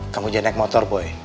kamu jangan naik motor boy